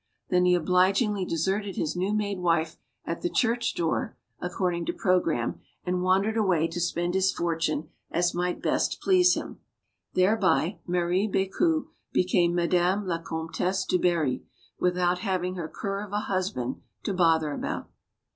Then he obligingly deserted his new made wife at the church door, according to program, and wandered away to spend his fortune as might best please him. Thereby, Marie Becu became Madame la Comtesse du Barry, without having her cur of a husband to bother about.